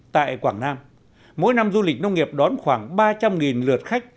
tại quảng nam mỗi năm du lịch nông nghiệp đón khoảng ba trăm linh lượt khách